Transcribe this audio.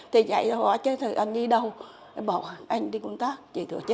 thì dạy họ chơi thử anh đi đâu bảo anh đi công tác